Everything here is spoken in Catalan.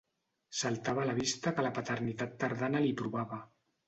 Saltava a la vista que la paternitat tardana li provava.